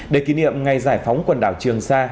để kỷ niệm ngày giải phóng quần đảo trường sa